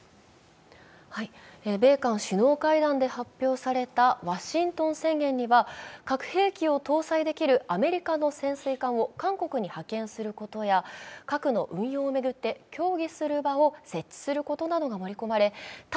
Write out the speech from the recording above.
米韓首脳会談で発表されたワシントン宣言では核兵器を搭載できるアメリカの潜水艦を韓国に派遣することや、核の運用を巡って協議する場を設置することなどが盛り込まれ対